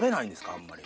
あんまり。